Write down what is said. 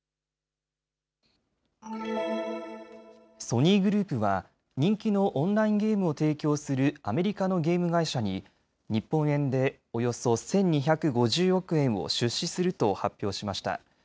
ソニーグループは人気のオンラインゲームを提供するアメリカのゲーム会社に日本円でおよそ１２５０億円を出資すると発表しました。